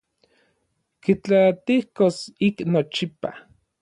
Kitlaatijtos ik nochipa.